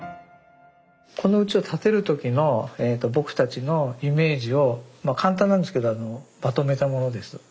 このうちを建てる時の僕たちのイメージを簡単なんですけどまとめたものです。